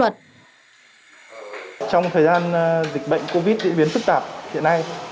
trong thời gian dịch bệnh covid diễn biến phức tạp hiện nay